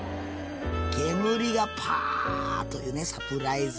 煙がパッというねサプライズ。